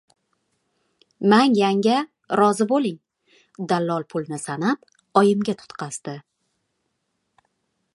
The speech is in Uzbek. — Mang, yanga! Rozi bo‘ling, — dallol pulni sanab oyimga tutqazdi.